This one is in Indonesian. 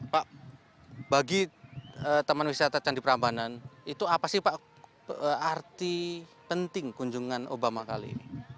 pak bagi taman wisata candi prambanan itu apa sih pak arti penting kunjungan obama kali ini